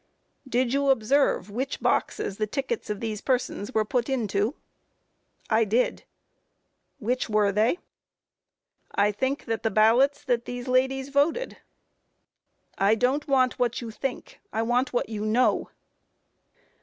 Q. Did you observe which boxes the tickets of these persons were put into? A. I did. Q. Which were they? A. I think that the ballots that these ladies voted. Q. I don't want what you think; I want what you know.